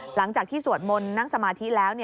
หลังจากที่สวดมนต์นั่งสมาธิแล้ว